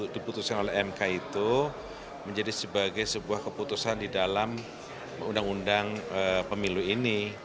diputuskan oleh mk itu menjadi sebagai sebuah keputusan di dalam undang undang pemilu ini